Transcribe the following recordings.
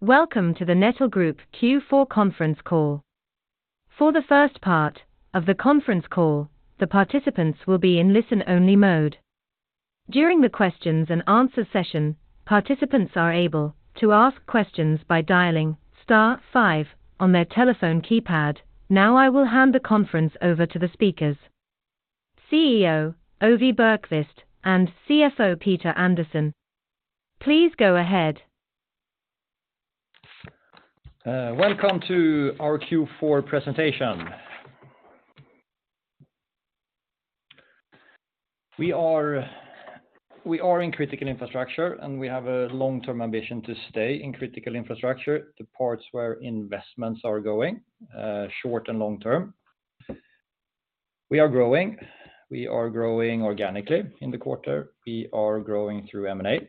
Welcome to the Netel Group Q4 conference call. For the first part of the conference call, the participants will be in listen only mode. During the questions and answer session, participants are able to ask questions by dialing star five on their telephone keypad. Now, I will hand the conference over to the speakers, CEO Ove Bergkvist and CFO Peter Andersson. Please go ahead. Welcome to our Q4 presentation. We are in critical infrastructure. We have a long-term ambition to stay in critical infrastructure, the parts where investments are going, short and long term. We are growing. We are growing organically in the quarter. We are growing through M&A.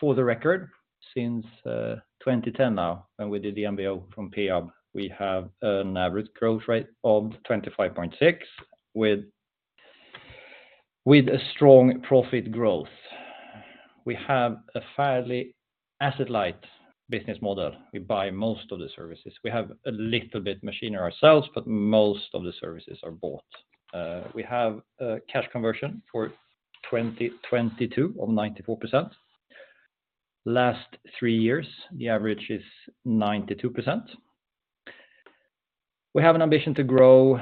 For the record, since 2010 now, when we did the MBO from Peab, we have an average growth rate of 25.6, with a strong profit growth. We have a fairly asset light business model. We buy most of the services. We have a little bit machinery ourselves, but most of the services are bought. We have a cash conversion for 2022 of 94%. Last three years, the average is 92%. We have an ambition to grow.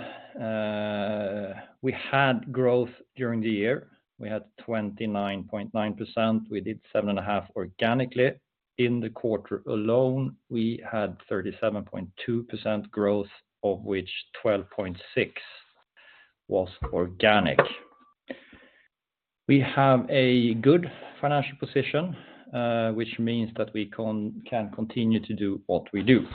We had growth during the year. We had 29.9%. We did 7.5 organically. In the quarter alone, we had 37.2% growth, of which 12.6% was organic. We have a good financial position, which means that we can continue to do what we do.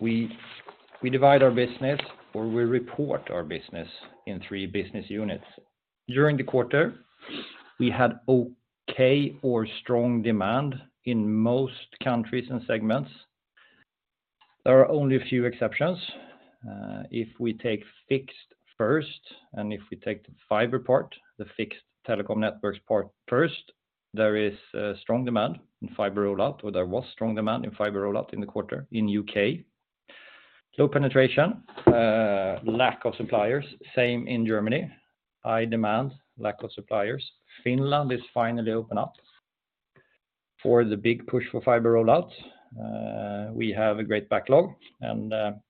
We divide our business, or we report our business in three business units. During the quarter, we had okay or strong demand in most countries and segments. There are only a few exceptions. If we take fixed first, and if we take the fiber part, the fixed telecom networks part first, there is strong demand in fiber rollout, or there was strong demand in fiber rollout in the quarter. In U.K., low penetration, lack of suppliers. Same in Germany, high demand, lack of suppliers. Finland is finally open up for the big push for fiber rollouts. We have a great backlog.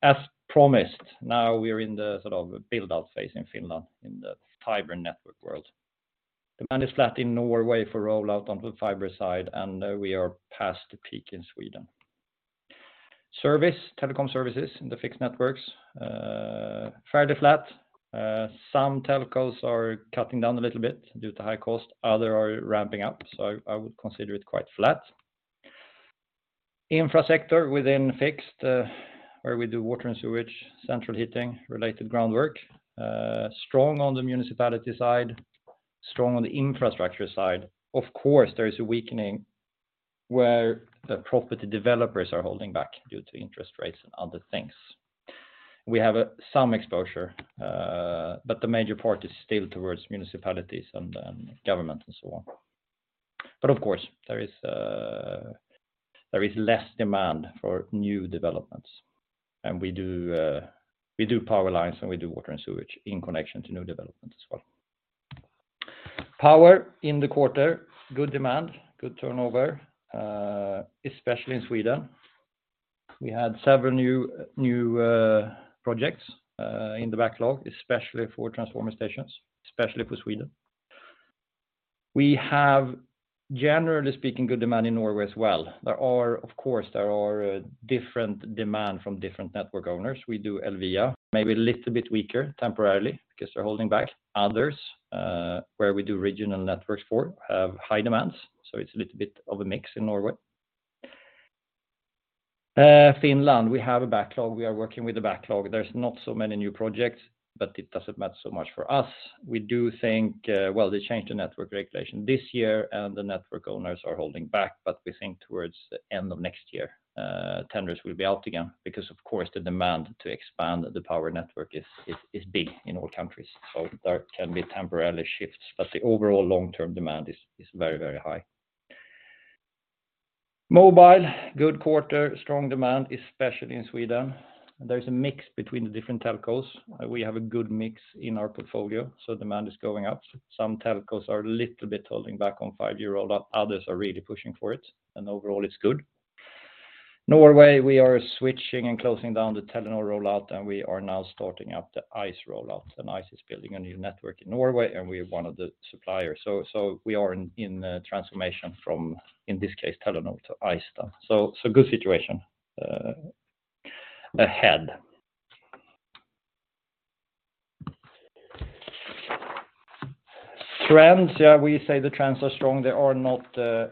As promised, now we're in the sort of build out phase in Finland in the fiber network world. Demand is flat in Norway for rollout on the fiber side. We are past the peak in Sweden. Service, telecom services in the fixed networks, fairly flat. Some telcos are cutting down a little bit due to high cost. Other are ramping up. I would consider it quite flat. Infra sector within fixed, where we do water and sewage, central heating related groundwork. Strong on the municipality side, strong on the infrastructure side. Of course, there is a weakening where the property developers are holding back due to interest rates and other things. We have some exposure. The major part is still towards municipalities and government and so on. Of course, there is less demand for new developments. We do power lines, and we do water and sewage in connection to new developments as well. Power in the quarter, good demand, good turnover, especially in Sweden. We had several new projects in the backlog, especially for transformer stations, especially for Sweden. We have, generally speaking, good demand in Norway as well. There are, of course, different demand from different network owners. We do Elvia, maybe a little bit weaker temporarily because they're holding back. Others, where we do regional networks for have high demands, so it's a little bit of a mix in Norway. Finland, we have a backlog. We are working with the backlog. There's not so many new projects, but it doesn't matter so much for us. We do think, well, they changed the network regulation this year. The network owners are holding back. We think towards the end of next year, tenders will be out again because of course the demand to expand the power network is big in all countries. There can be temporarily shifts. The overall long-term demand is very, very high. Mobile, good quarter, strong demand, especially in Sweden. There's a mix between the different telcos. We have a good mix in our portfolio. Demand is going up. Some telcos are a little bit holding back on five year rollout. Others are really pushing for it. Overall it's good. Norway, we are switching and closing down the Telenor rollout. We are now starting up the ICE rollout. ICE is building a new network in Norway. We're one of the suppliers. We are in transformation from, in this case, Telenor to ICE. Good situation ahead. Trends. We say the trends are strong. They are not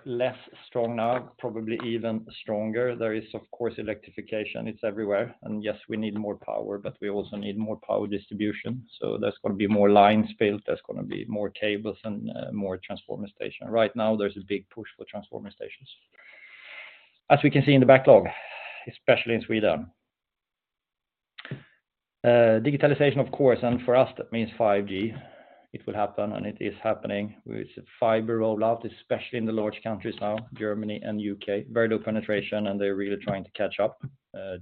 less strong now, probably even stronger. There is, of course, electrification. It's everywhere. Yes, we need more power, but we also need more power distribution. There's gonna be more lines built. There's gonna be more cables and more transformer station. Right now, there's a big push for transformer stations. As we can see in the backlog, especially in Sweden. Digitalization, of course, and for us, that means 5G. It will happen, and it is happening with fiber rollout, especially in the large countries now, Germany and U.K. Very low penetration, they're really trying to catch up.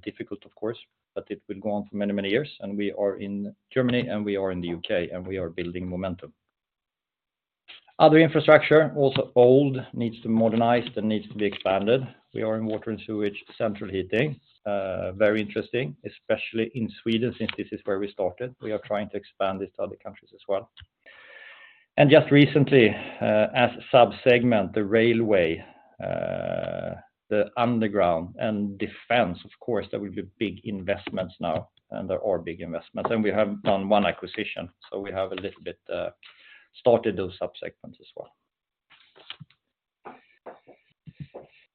Difficult, of course, but it will go on for many, many years. We are in Germany, and we are in the UK, and we are building momentum. Other infrastructure, also old, needs to modernize, that needs to be expanded. We are in water and sewage, central heating. Very interesting, especially in Sweden, since this is where we started. We are trying to expand this to other countries as well. Just recently, as a sub-segment, the railway, the underground and defense, of course, there will be big investments now, and there are big investments. We have done one acquisition, so we have a little bit started those sub-segments as well.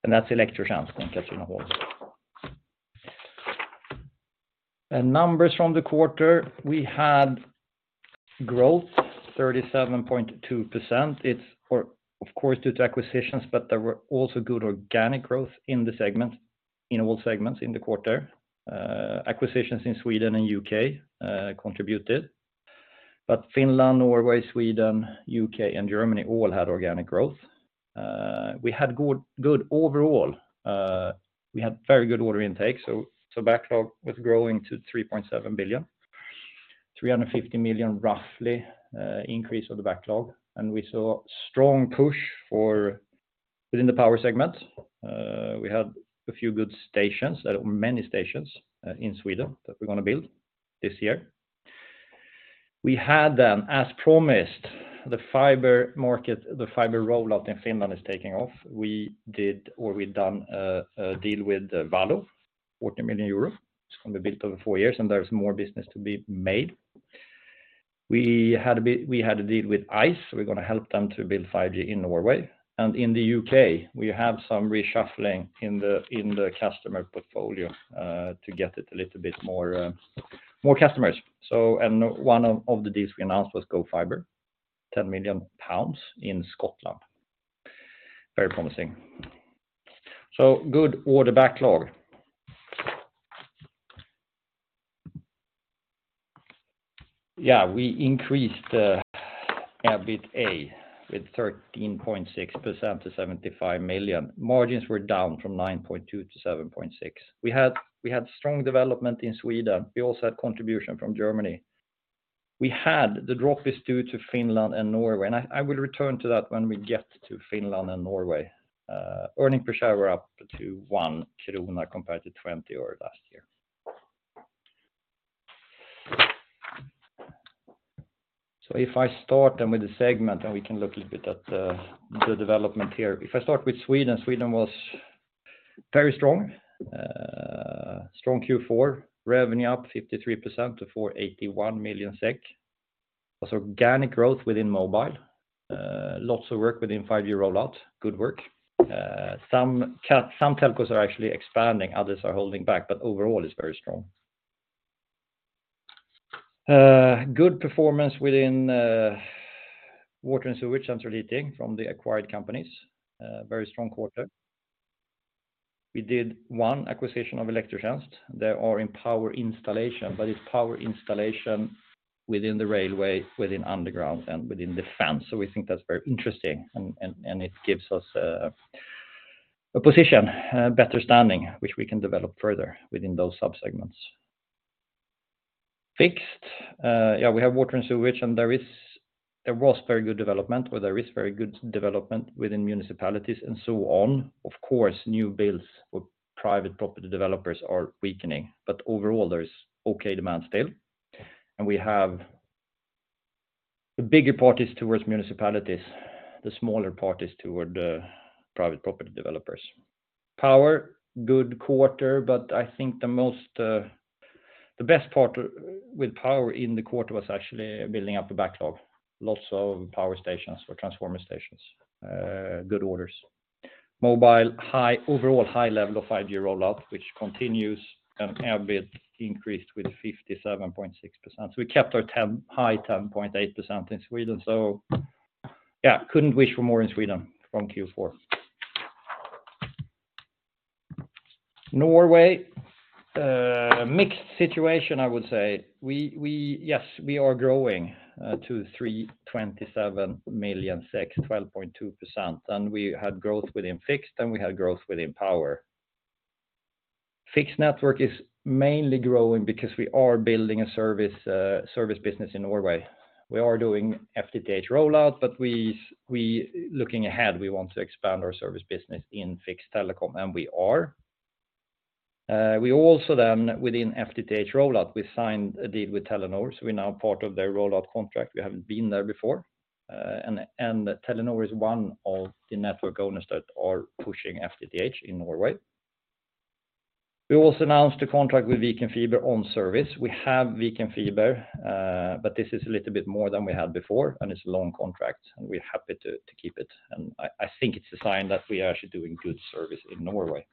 That's Elektrotjänst going taking a hold. Numbers from the quarter, we had growth 37.2%. It's of course, due to acquisitions, but there were also good organic growth in the segment, in all segments in the quarter. Acquisitions in Sweden and UK contributed. Finland, Norway, Sweden, UK, and Germany all had organic growth. We had good overall. We had very good order intake, backlog was growing to 3.7 billion. 350 million, roughly, increase of the backlog. We saw strong push for within the power segment. We had a few good stations. There are many stations in Sweden that we're gonna build this year. We had, as promised, the fiber market, the fiber rollout in Finland is taking off. We did or we've done a deal with Valo, 40 million euros. It's gonna be built over four years, there's more business to be made. We had a deal with ice. We're gonna help them to build 5G in Norway. In the UK, we have some reshuffling in the, in the customer portfolio, to get it a little bit more, more customers. One of the deals we announced was GoFibre, 10 million pounds in Scotland. Very promising. Good order backlog. We increased the EBITDA with 13.6% to 75 million. Margins were down from 9.2% to 7.6%. We had strong development in Sweden. We also had contribution from Germany. The drop is due to Finland and Norway, and I will return to that when we get to Finland and Norway. Earning per share were up to 1 krona compared to 0.20 last year. If I start then with the segment, and we can look a little bit at the development here. If I start with Sweden was very strong. Strong Q4, revenue up 53% to 481 million SEK. Plus organic growth within mobile. Lots of work within five-year rollout. Good work. Some telcos are actually expanding, others are holding back, Overall, it's very strong. Good performance within water and sewage, central heating from the acquired companies. Very strong quarter. We did one acquisition of Elektrotjänst. It's power installation within the railway, within underground, and within defense. We think that's very interesting and it gives us a position, better standing, which we can develop further within those sub-segments. Fixed, we have water and sewage, there was very good development, or there is very good development within municipalities and so on. Of course, new builds for private property developers are weakening, but overall, there is okay demand still. We have the bigger part is towards municipalities, the smaller part is toward private property developers. Power, good quarter, but I think the most, the best part with power in the quarter was actually building up the backlog. Lots of power stations for transformer stations. Good orders. Mobile, overall high level of five year rollout, which continues, and EBITDA increased with 57.6%. We kept our 10.8% in Sweden, yeah, couldn't wish for more in Sweden from Q4. Norway, mixed situation, I would say. We, yes, we are growing to 327 million, 12.2%. We had growth within fixed, and we had growth within power. Fixed network is mainly growing because we are building a service business in Norway. We are doing FTTH rollout, but we, looking ahead, we want to expand our service business in fixed telecom, and we are. We also then, within FTTH rollout, we signed a deal with Telenor, so we're now part of their rollout contract. We haven't been there before. Telenor is one of the network owners that are pushing FTTH in Norway. We also announced a contract with Viken Fiber on service. We have Viken Fiber, but this is a little bit more than we had before, and it's a long contract, and we're happy to keep it. I think it's a sign that we are actually doing good service in Norway.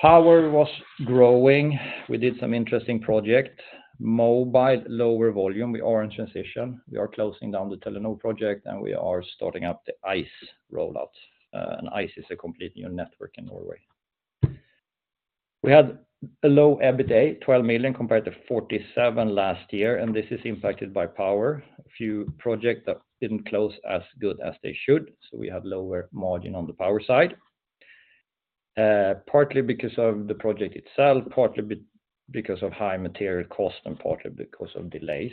Power was growing. We did some interesting project. Mobile lower volume. We are in transition. We are closing down the Telenor project, and we are starting up the ice rollout. ice is a complete new network in Norway. We had a low EBITA, 12 million compared to 47 million last year, and this is impacted by power. A few projects that didn't close as good as they should, so we have lower margin on the power side. Partly because of the project itself, partly because of high material cost, and partly because of delays.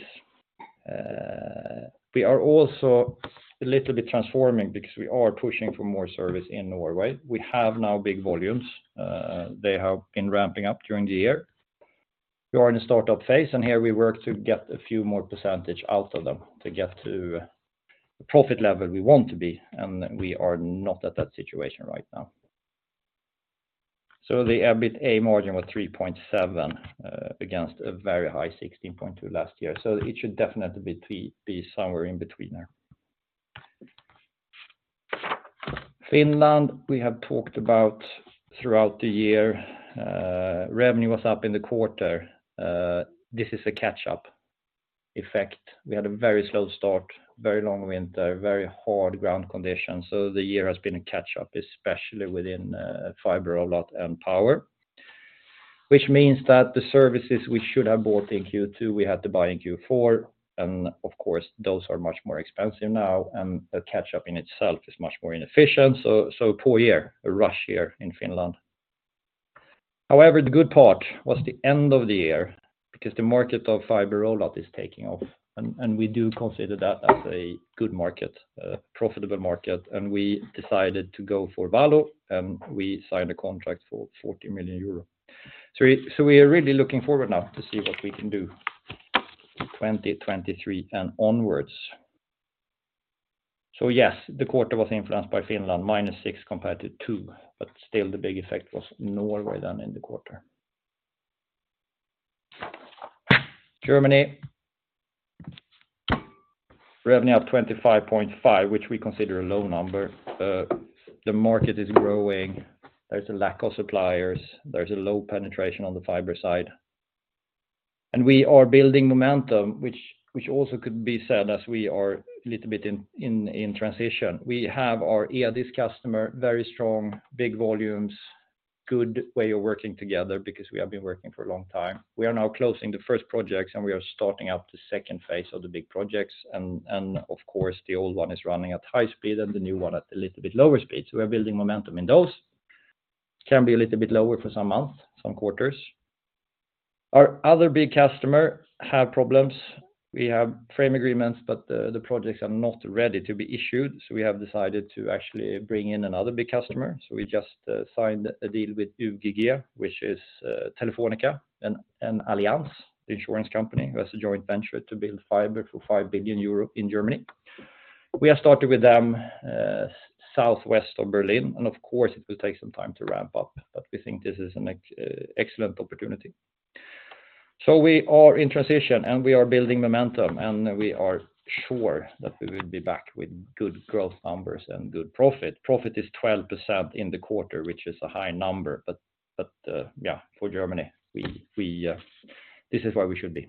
We are also a little bit transforming because we are pushing for more service in Norway. We have now big volumes. They have been ramping up during the year. We are in a startup phase, and here we work to get a few more percentage out of them to get to the profit level we want to be, and we are not at that situation right now. The EBITA margin was 3.7% against a very high 16.2% last year. It should definitely be somewhere in between there. Finland, we have talked about throughout the year. Revenue was up in the quarter. This is a catch-up effect. We had a very slow start, very long winter, very hard ground conditions, the year has been a catch-up, especially within fiber rollout and power. Which means that the services we should have bought in Q2, we had to buy in Q4, and of course, those are much more expensive now, and the catch-up in itself is much more inefficient. Poor year, a rush year in Finland. However, the good part was the end of the year because the market of fiber rollout is taking off, we do consider that as a good market, a profitable market, we decided to go for Valo, and we signed a contract for 40 million euro. We are really looking forward now to see what we can do in 2023 and onwards. Yes, the quarter was influenced by Finland, minus six compared to two, still the big effect was Norway in the quarter. Germany. Revenue up 25.5%, which we consider a low number. The market is growing. There's a lack of suppliers. There's a low penetration on the fiber side. We are building momentum, which also could be said as we are a little bit in transition. We have our E.ON customer, very strong, big volumes, good way of working together because we have been working for a long time. We are now closing the first projects, and we are starting up the second phase of the big projects and of course, the old one is running at high speed and the new one at a little bit lower speed. We are building momentum in those. Can be a little bit lower for some months, some quarters. Our other big customer have problems. We have frame agreements, but the projects are not ready to be issued, so we have decided to actually bring in another big customer. We just signed a deal with UGGiga, which is Telefónica and Allianz, the insurance company, who has a joint venture to build fiber for 5 billion euro in Germany. We have started with them, southwest of Berlin, and of course, it will take some time to ramp up, but we think this is an excellent opportunity. We are in transition, and we are building momentum, and we are sure that we will be back with good growth numbers and good profit. Profit is 12% in the quarter, which is a high number. Yeah, for Germany, we, this is where we should be.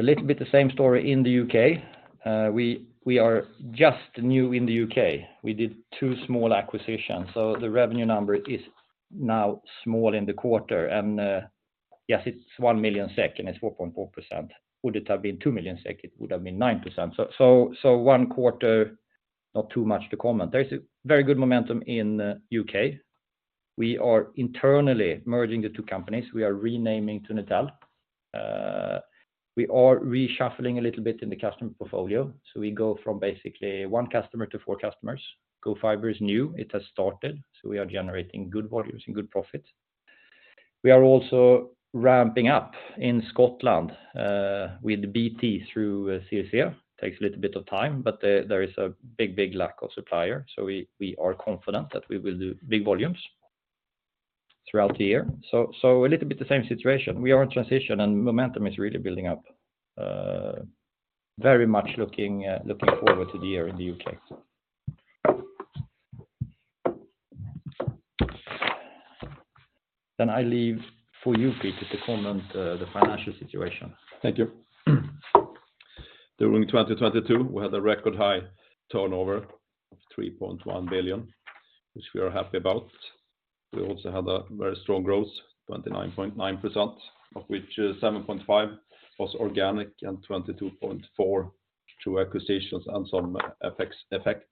A little bit the same story in the UK. We are just new in the UK. We did two small acquisitions, so the revenue number is now small in the quarter. Yes, it's 1 million, and it's 4.4%. Would it have been 2 million? It would have been 9%. One quarter, not too much to comment. There is a very good momentum in U.K. We are internally merging the two companies. We are renaming to Netel. We are reshuffling a little bit in the customer portfolio. We go from basically one customer to four customers. GoFibre is new. It has started, we are generating good volumes and good profits. We are also ramping up in Scotland with BT through CSA. Takes a little bit of time, there is a big lack of supplier. We are confident that we will do big volumes throughout the year. A little bit the same situation. We are in transition, momentum is really building up. Very much looking forward to the year in the U.K. I leave for you, Peter, to comment the financial situation. Thank you. During 2022, we had a record high turnover of 3.1 billion, which we are happy about. We also had a very strong growth, 29.9%, of which 7.5% was organic and 22.4% through acquisitions and some effects.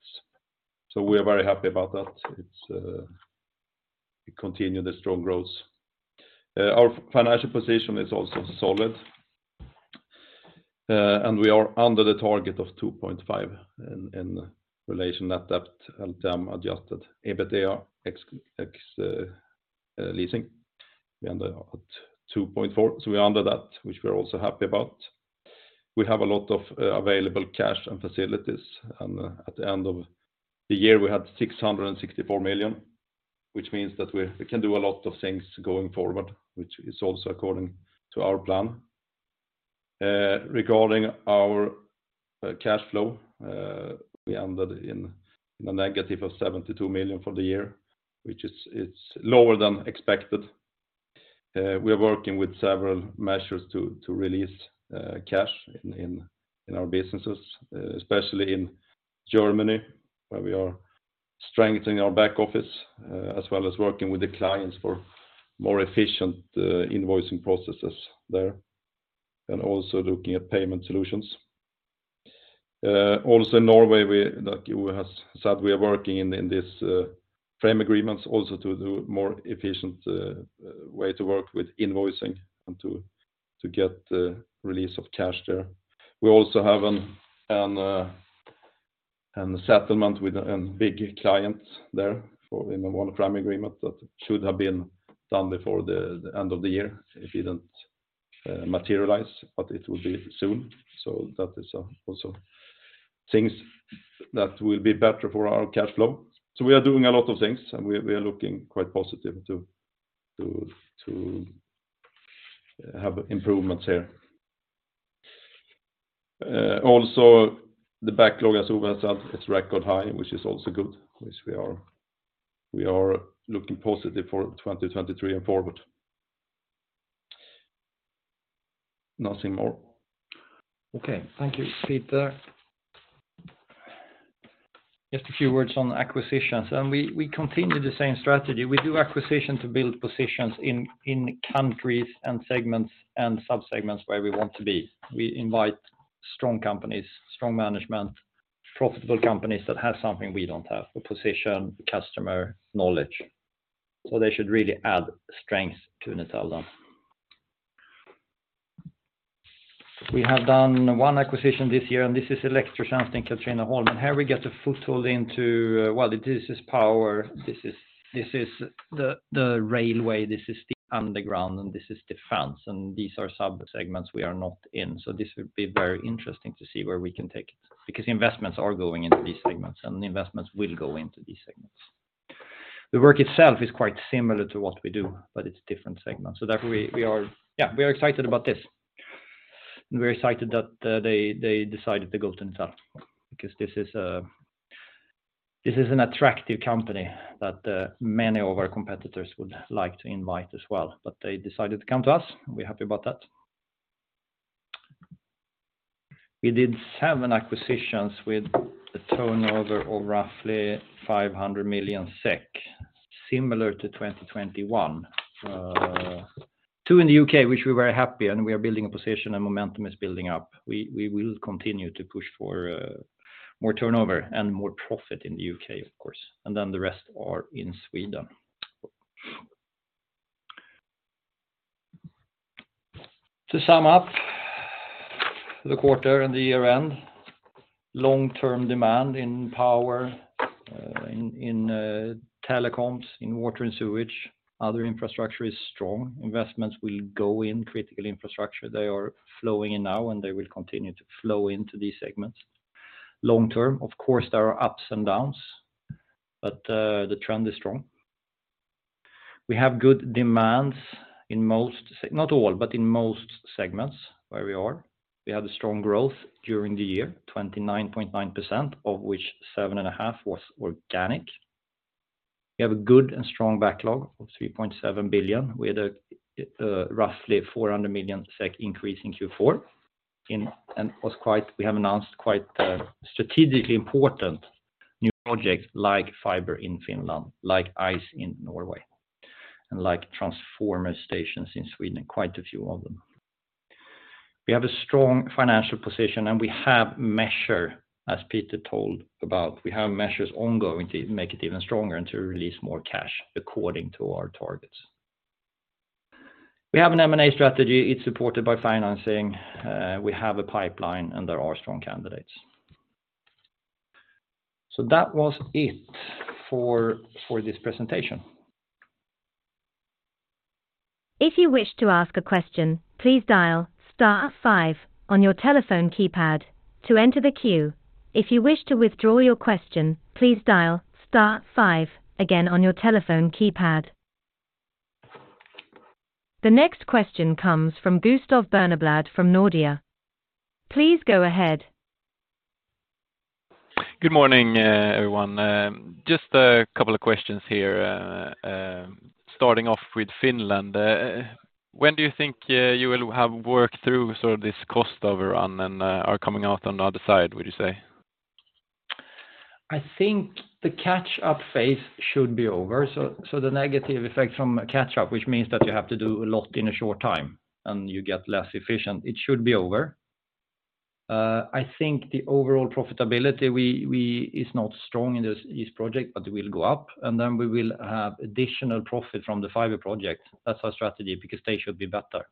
We are very happy about that. It's, we continue the strong growth. Our financial position is also solid. We are under the target of 2.5 in relation net debt and them adjusted EBITDA ex leasing. We end up at 2.4. We are under that, which we're also happy about. We have a lot of available cash and facilities. At the end of the year, we had 664 million, which means that we can do a lot of things going forward, which is also according to our plan. Regarding our cash flow, we ended in a negative of 72 million for the year, which it's lower than expected. We are working with several measures to release cash in our businesses, especially in Germany, where we are strengthening our back office, as well as working with the clients for more efficient invoicing processes there, and also looking at payment solutions. Also in Norway, like you has said, we are working in this frame agreements also to do more efficient way to work with invoicing and to get the release of cash there. We also have an settlement with a big client there for in one frame agreement that should have been done before the end of the year. It didn't materialize, but it will be soon. That is also things that will be better for our cash flow. We are doing a lot of things, and we are looking quite positive to have improvements here. Also the backlog, as Ove said, it's record high, which is also good, which we are looking positive for 2023 and forward. Nothing more. Okay. Thank you, Peter. Just a few words on acquisitions, and we continue the same strategy. We do acquisition to build positions in countries and segments and sub-segments where we want to be. We invite strong companies, strong management, profitable companies that have something we don't have, a position, customer, knowledge. They should really add strength to Netel. We have done one acquisition this year. This is Elektrotjänst i Katrineholm. Here we get a foothold into well, this is power, this is the railway, this is the underground, and this is defense, and these are sub-segments we are not in. This would be very interesting to see where we can take it because investments are going into these segments, and investments will go into these segments. The work itself is quite similar to what we do, but it's different segments. That we are excited about this. We're excited that they decided to go to Netel because this is an attractive company that many of our competitors would like to invite as well. They decided to come to us. We're happy about that. We did seven acquisitions with a turnover of roughly 500 million SEK, similar to 2021. Two in the UK, which we're very happy, and we are building a position and momentum is building up. We will continue to push for more turnover and more profit in the UK, of course. The rest are in Sweden. To sum up the quarter and the year-end, long-term demand in power, in telecoms, in water and sewage, other infrastructure is strong. Investments will go in critical infrastructure. They are flowing in now, and they will continue to flow into these segments. Long-term, of course, there are ups and downs, but the trend is strong. We have good demands in most, not all, but in most segments where we are. We have a strong growth during the year, 29.9%, of which seven and a half was organic. We have a good and strong backlog of 3.7 billion with a roughly 400 million SEK increase in Q4 we have announced quite strategically important new projects like fiber in Finland, like Ice in Norway, and like transformer stations in Sweden, quite a few of them. We have a strong financial position. We have measure, as Peter told about, we have measures ongoing to make it even stronger and to release more cash according to our targets. We have an M&A strategy. It's supported by financing. We have a pipeline, and there are strong candidates. That was it for this presentation. If you wish to ask a question, please dial star five on your telephone keypad to enter the queue. If you wish to withdraw your question, please dial star five again on your telephone keypad. The next question comes from Gustav Berneblad from Nordea. Please go ahead. Good morning, everyone. Just a couple of questions here, starting off with Finland. When do you think you will have worked through sort of this cost overrun and are coming out on the other side, would you say? I think the catch-up phase should be over. The negative effect from catch-up, which means that you have to do a lot in a short time and you get less efficient, it should be over. I think the overall profitability is not strong in this project, but it will go up, and then we will have additional profit from the fiber project. That's our strategy because they should be better.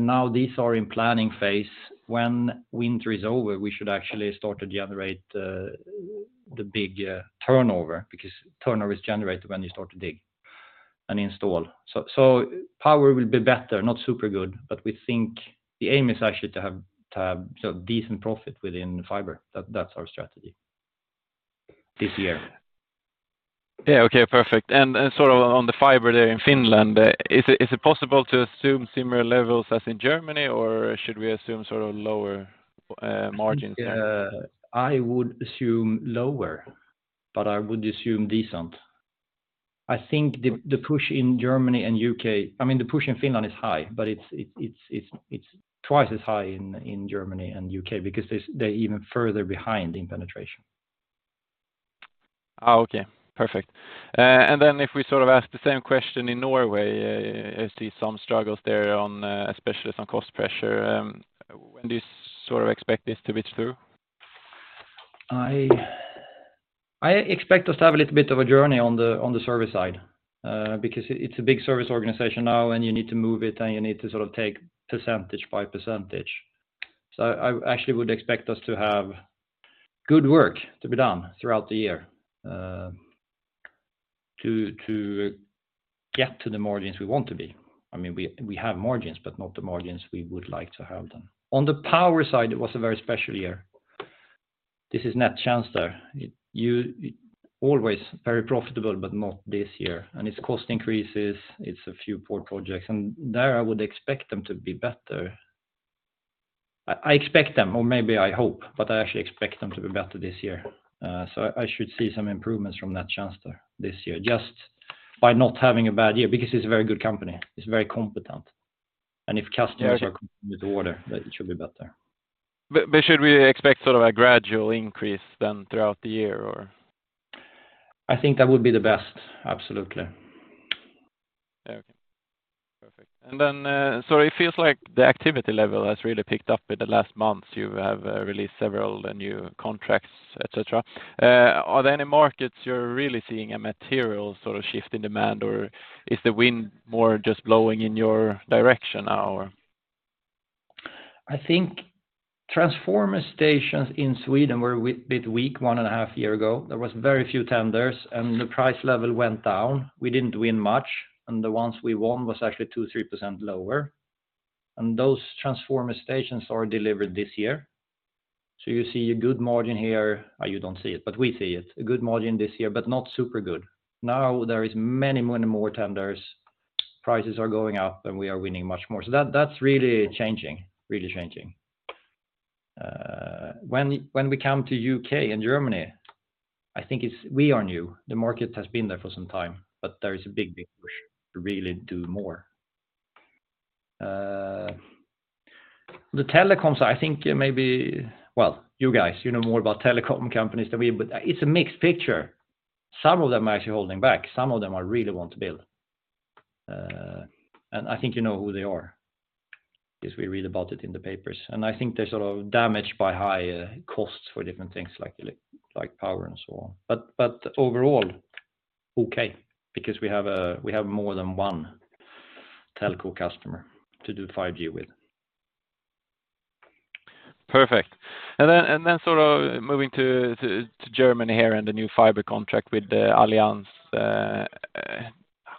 Now these are in planning phase. When winter is over, we should actually start to generate the big turnover because turnover is generated when you start to dig and install. Power will be better, not super good, but we think the aim is actually to have sort of decent profit within fiber. That's our strategy. This year. Yeah. Okay, perfect. Sort of on the fiber there in Finland, is it possible to assume similar levels as in Germany, or should we assume sort of lower margins there? I would assume lower, but I would assume decent. I think the push in Germany and UK. I mean, the push in Finland is high, but it's twice as high in Germany and UK because they're even further behind in penetration. Oh, okay. Perfect. Then if we sort of ask the same question in Norway, I see some struggles there on, especially some cost pressure, when do you sort of expect this to be through? I expect us to have a little bit of a journey on the service side, because it's a big service organization now, and you need to move it, and you need to sort of take percentage by percentage. I actually would expect us to have good work to be done throughout the year, to get to the margins we want to be. I mean, we have margins, but not the margins we would like to have them. On the power side, it was a very special year. This is Netel. Always very profitable, but not this year. It's cost increases. It's a few poor projects. There I would expect them to be better. I expect them, or maybe I hope, but I actually expect them to be better this year. I should see some improvements from Netel this year just by not having a bad year because it's a very good company. It's very competent, and if customers are coming with order, then it should be better. Should we expect sort of a gradual increase then throughout the year or? I think that would be the best. Absolutely. Yeah. Okay. Perfect. It feels like the activity level has really picked up in the last month. You have released several new contracts, et cetera. Are there any markets you're really seeing a material sort of shift in demand, or is the wind more just blowing in your direction now or? I think transformer stations in Sweden were bit weak one and a half years ago. There was very few tenders, and the price level went down. We didn't win much, and the ones we won was actually 2%-3% lower. Those transformer stations are delivered this year, so you see a good margin here. You don't see it, but we see it. A good margin this year, but not super good. Now there is many more tenders. Prices are going up, and we are winning much more. That's really changing. When we come to UK and Germany, I think it's, we are new. The market has been there for some time, but there is a big push to really do more. The telecoms, I think maybe... Well, you guys, you know more about telecom companies than we, but it's a mixed picture. Some of them are actually holding back. Some of them are really want to build. I think you know who they are because we read about it in the papers. I think they're sort of damaged by high costs for different things like power and so on. Overall, okay, because we have more than one telco customer to do 5G with. Perfect. Then sort of moving to Germany here and the new fiber contract with the Allianz,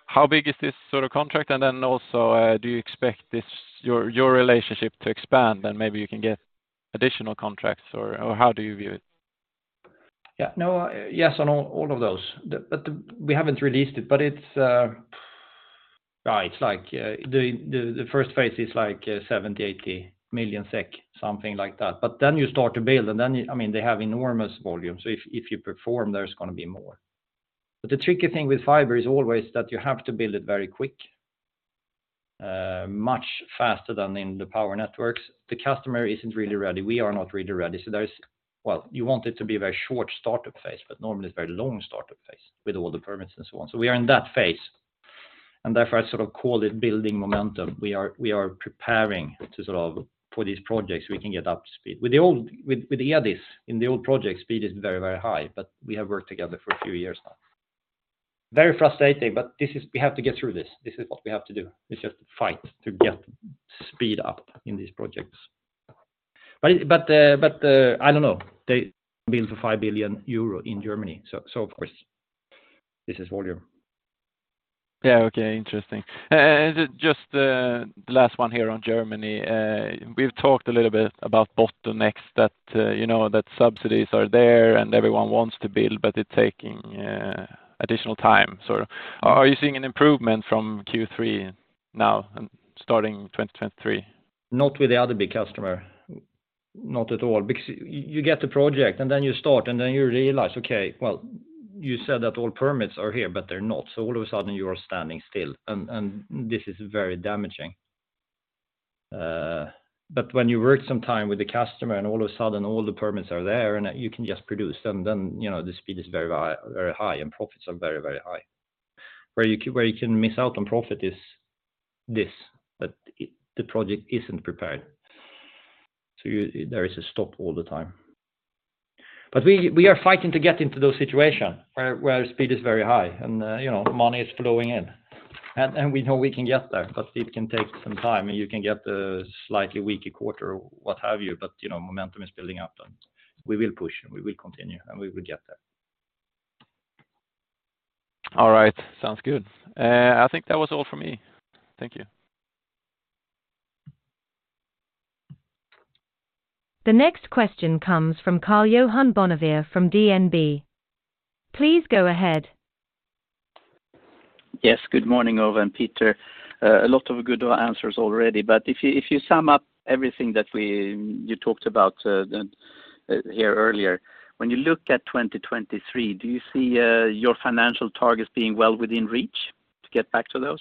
how big is this sort of contract? Also, do you expect this, your relationship to expand, and maybe you can get additional contracts or how do you view it? No. Yes on all of those. We haven't released it, but it's like the first phase is like 70-80 million SEK, something like that. Then you start to build, and then, I mean, they have enormous volume. If you perform, there's gonna be more. The tricky thing with fiber is always that you have to build it very quick, much faster than in the power networks. The customer isn't really ready. We are not really ready. Well, you want it to be a very short startup phase, but normally it's a very long startup phase with all the permits and so on. We are in that phase, and therefore I sort of call it building momentum. We are preparing to sort of, for these projects, we can get up to speed. With the old, with Eadis, in the old project, speed is very, very high, but we have worked together for a few years now. Very frustrating, but this is, we have to get through this. This is what we have to do, is just fight to get speed up in these projects. I don't know. They build for 5 billion euro in Germany, so of course this is volume. Yeah. Okay. Interesting. Just the last one here on Germany. We've talked a little bit about bottlenecks that, you know, that subsidies are there and everyone wants to build, but it's taking additional time. Are you seeing an improvement from Q3 now and starting 2023? Not with the other big customer, not at all. You, you get the project, and then you start, and then you realize, okay, well, you said that all permits are here, but they're not. All of a sudden you are standing still, and this is very damaging. When you work some time with the customer and all of a sudden all the permits are there and you can just produce them, then, you know, the speed is very high and profits are very, very high. Where you can miss out on profit is this, that the project isn't prepared. You, there is a stop all the time. We, we are fighting to get into those situation where speed is very high and, you know, money is flowing in. And we know we can get there, but it can take some time, and you can get a slightly weaker quarter or what have you, but, you know, momentum is building up, and we will push, and we will continue, and we will get there. All right. Sounds good. I think that was all for me. Thank you. The next question comes from Karl-Johan Bonnevier from DNB. Please go ahead. Good morning, Ove and Peter. A lot of good answers already, but if you, if you sum up everything that you talked about here earlier, when you look at 2023, do you see your financial targets being well within reach to get back to those?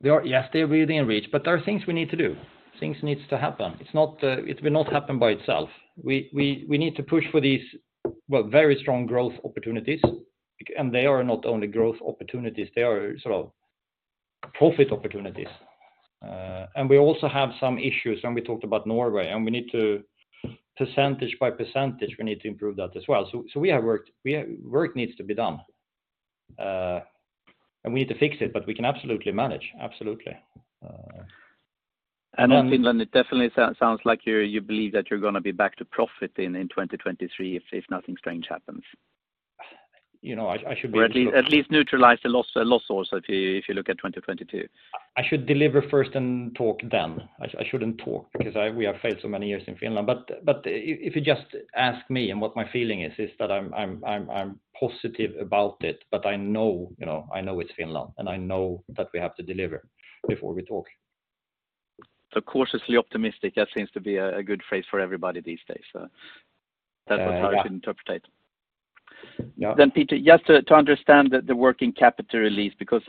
They are. Yes, they are within reach, but there are things we need to do. Things need to happen. It's not, it will not happen by itself. We need to push for these, well, very strong growth opportunities. They are not only growth opportunities, they are sort of profit opportunities. We also have some issues, and we talked about Norway, and we need to percentage by percentage, we need to improve that as well. Work needs to be done, and we need to fix it, but we can absolutely manage. Absolutely. On Finland, it definitely sounds like you believe that you're gonna be back to profit in 2023 if nothing strange happens. You know, I should be at least. At least neutralize the loss also if you look at 2022. I should deliver first and talk then. I shouldn't talk because we have failed so many years in Finland. If you just ask me and what my feeling is that I'm positive about it, but I know, you know, I know it's Finland, and I know that we have to deliver before we talk. Cautiously optimistic, that seems to be a good phrase for everybody these days. That's what I should interpret it. Yeah. Peter, just to understand the working capital release, because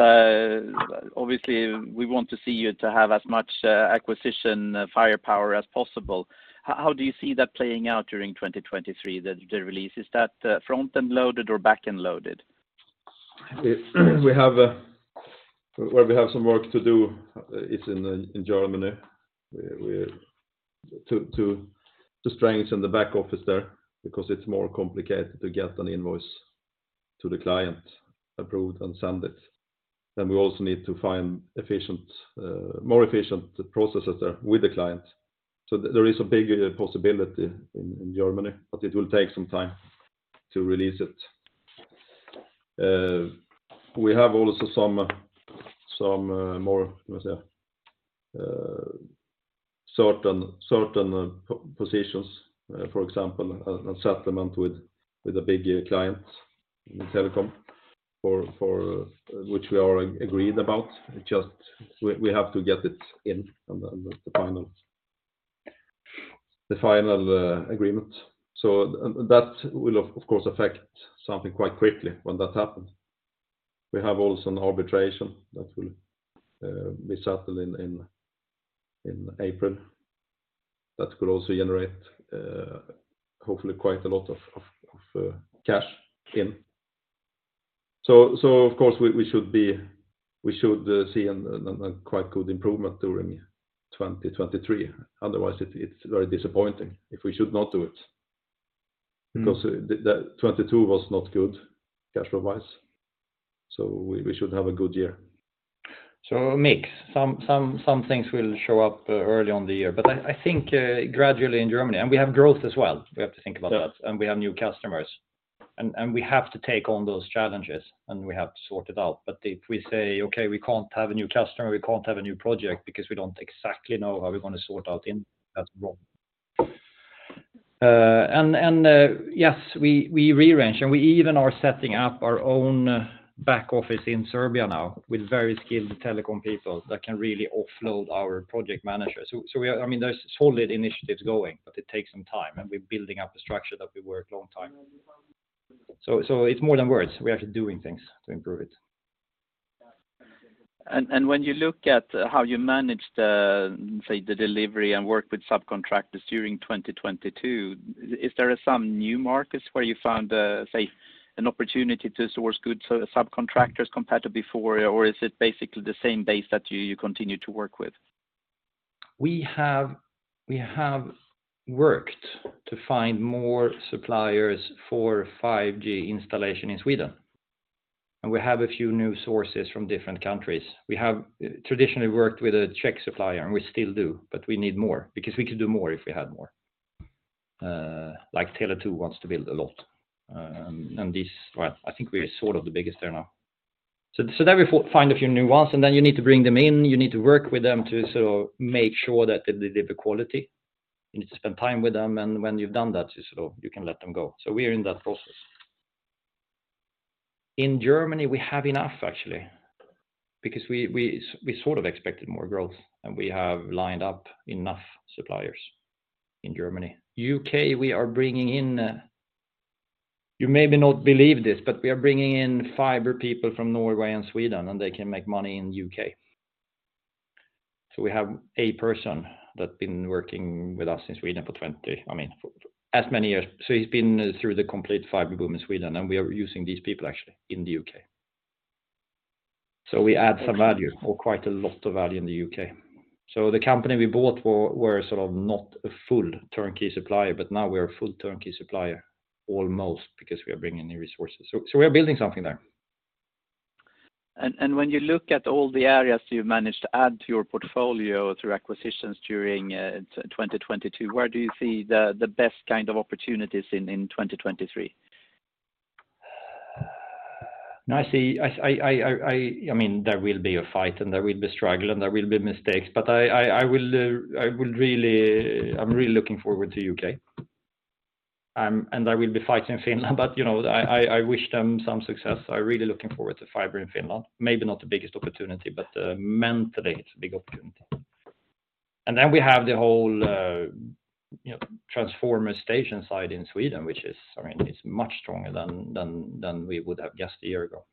obviously we want to see you to have as much acquisition firepower as possible. How do you see that playing out during 2023, the release? Is that front-end loaded or back-end loaded? We have where we have some work to do is in Germany. To strengthen the back office there because it's more complicated to get an invoice to the client approved and send it. We also need to find efficient, more efficient processes there with the client. There is a big possibility in Germany, but it will take some time to release it. We have also some more, let me say, certain positions, for example, a settlement with a big client in telecom for which we are agreed about. It's just we have to get it in on the final agreement. That will of course affect something quite quickly when that happens. We have also an arbitration that will be settled in April. That could also generate, hopefully quite a lot of cash in. Of course, we should see a quite good improvement during 2023. Otherwise, it's very disappointing if we should not do it because the 2022 was not good cash flow-wise, we should have a good year. A mix. Some things will show up early on the year. I think, gradually in Germany, we have growth as well, we have to think about that, we have new customers, and we have to take on those challenges, and we have to sort it out. If we say, "Okay, we can't have a new customer, we can't have a new project because we don't exactly know how we're going to sort out in," that's wrong. Yes, we rearrange, and we even are setting up our own back office in Serbia now with very skilled telecom people that can really offload our project managers. I mean, there's solid initiatives going, but it takes some time, and we're building up a structure that will work long time. It's more than words. We're actually doing things to improve it. When you look at how you manage the, say, the delivery and work with subcontractors during 2022, is there some new markets where you found, say, an opportunity to source good subcontractors compared to before? Or is it basically the same base that you continue to work with? We have worked to find more suppliers for 5G installation in Sweden, and we have a few new sources from different countries. We have traditionally worked with a Czech supplier, and we still do, but we need more because we could do more if we had more. Like Tele2 wants to build a lot, and this. Well, I think we're sort of the biggest there now. Then we find a few new ones, and then you need to bring them in, you need to work with them to sort of make sure that they deliver quality. You need to spend time with them, and when you've done that, you sort of, you can let them go. We are in that process. In Germany, we have enough actually because we sort of expected more growth, and we have lined up enough suppliers in Germany. UK, we are bringing in. You maybe not believe this, but we are bringing in fiber people from Norway and Sweden, and they can make money in UK. We have a person that's been working with us in Sweden for 20, I mean, for as many years. He's been through the complete fiber boom in Sweden, and we are using these people actually in the UK. We add some value or quite a lot of value in the UK. The company we bought were sort of not a full turnkey supplier, but now we are a full turnkey supplier almost because we are bringing new resources. We are building something there. When you look at all the areas you've managed to add to your portfolio through acquisitions during 2022, where do you see the best kind of opportunities in 2023? No, I see. I mean, there will be a fight, there will be struggle, there will be mistakes, but I will, I'm really looking forward to UK. I will be fighting Finland, I wish them some success. I'm really looking forward to fiber in Finland. Maybe not the biggest opportunity, mentally, it's a big opportunity. We have the whole transformer station side in Sweden, which is, I mean, it's much stronger than we would have guessed a year ago.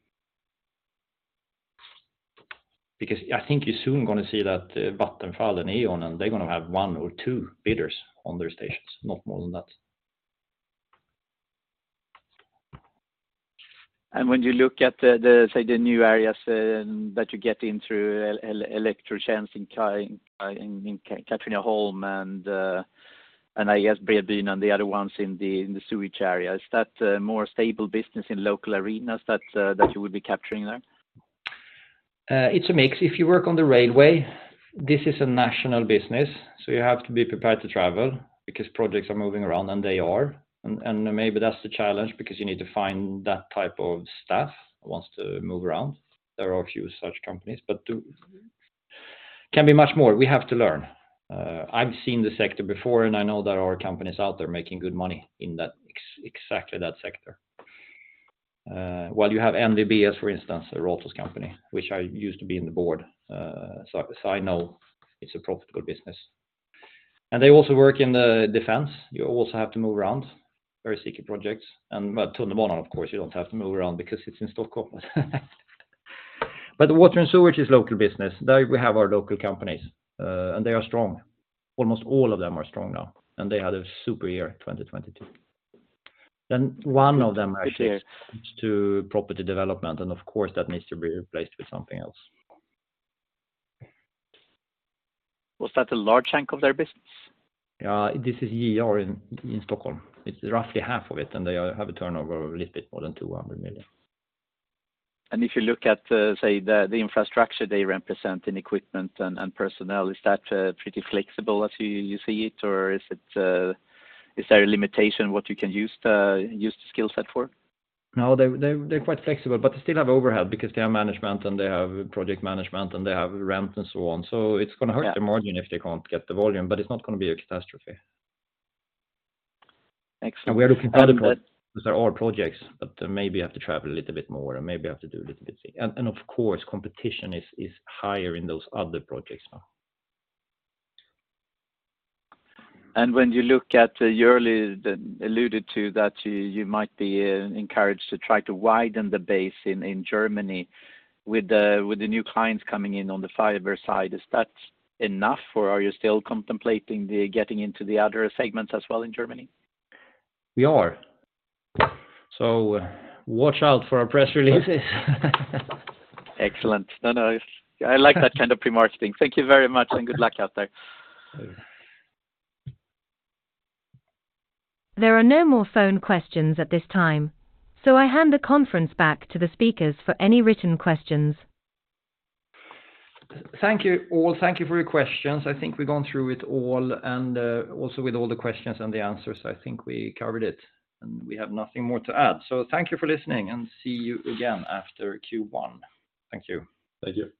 I think you're soon gonna see that Vattenfall and E.ON, they're gonna have one or two bidders on their stations, not more than that. When you look at the new areas, that you get in through Elektrotjänst i Katrineholm and I guess Bredbyn and the other ones in the sewage area. Is that a more stable business in local arenas that you would be capturing there? It's a mix. If you work on the railway, this is a national business, so you have to be prepared to travel because projects are moving around, and they are. Maybe that's the challenge because you need to find that type of staff who wants to move around. There are a few such companies. Can be much more. We have to learn. I've seen the sector before, and I know there are companies out there making good money in that exactly that sector. Well, you have NVBS, for instance, a Rolfhäll company, which I used to be in the board. So I know it's a profitable business. They also work in the defense. You also have to move around, very sticky projects. Well, Tunnelbanan, of course, you don't have to move around because it's in Stockholm. The water and sewage is local business. There we have our local companies, they are strong. Almost all of them are strong now, they had a super year in 2022. One of them actually switched to property development, and of course, that needs to be replaced with something else. Was that a large chunk of their business? This is JR in Stockholm. It's roughly half of it. They have a turnover of a little bit more than 200 million. If you look at, say, the infrastructure they represent in equipment and personnel, is that pretty flexible as you see it? Or is it, is there a limitation what you can use the skill set for? No, they're quite flexible, but they still have overhead because they have management, and they have project management, and they have rent and so on. It's gonna hurt the margin if they can't get the volume, but it's not gonna be a catastrophe. Excellent. We're looking for other projects. These are all projects, but maybe you have to travel a little bit more, and maybe you have to do a little bit... Of course, competition is higher in those other projects now. When you look at, you earlier alluded to that you might be encouraged to try to widen the base in Germany with the new clients coming in on the fiber side. Is that enough, or are you still contemplating the getting into the other segments as well in Germany? We are. Watch out for our press release. Excellent. No, no, it's. I like that kind of pre-marketing. Thank you very much, and good luck out there. Thank you. There are no more phone questions at this time, so I hand the conference back to the speakers for any written questions. Thank you all. Thank you for your questions. I think we've gone through it all, also with all the questions and the answers, I think we covered it, and we have nothing more to add. Thank you for listening, and see you again after Q1. Thank you. Thank you.